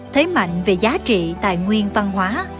thấy mạnh về giá trị tài nguyên văn hóa